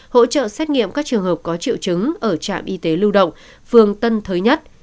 hỗ trợ xét nghiệm các trường hợp có triệu chứng ở trạm y tế lưu động phường tân thới nhất